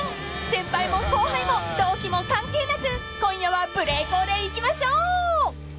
［先輩も後輩も同期も関係なく今夜は無礼講でいきましょう！］